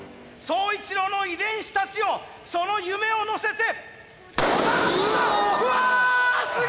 宗一郎の遺伝子たちよその夢を乗せて。